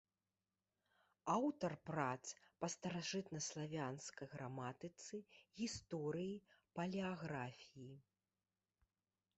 Аўтар прац па старажытнаславянскай граматыцы, гісторыі, палеаграфіі.